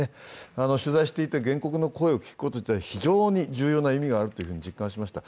取材していて原告の声を聞くことは非常に重要な意味があると実感しました。